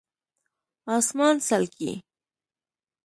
🦇 اسمان څلکي